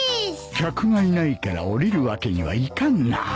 客がいないから降りるわけにはいかんな